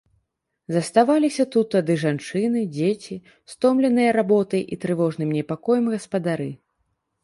Заставаліся тут тады жанчыны, дзеці, стомленыя работай і трывожным непакоем гаспадары.